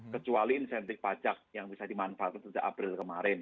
kecuali insentif pajak yang bisa dimanfaatkan sejak april kemarin